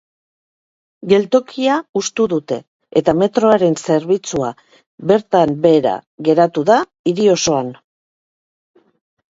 Geltokia hustu dute, eta metroaren zerbitzua bertan behera geratu da hiri osoan.